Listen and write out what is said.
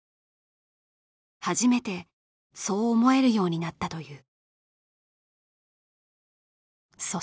初めてそう思えるようになったという